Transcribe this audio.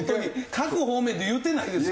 各方面で言うてないですか？